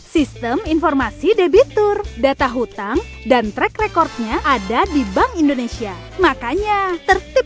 sistem informasi debitur data hutang dan track recordnya ada di bank indonesia makanya tertib